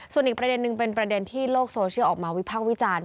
ส่วนอีกประเด็นนึงเป็นประเด็นที่โลกโซเชียลออกมาวิภาควิจารณ์